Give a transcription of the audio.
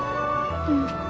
うん。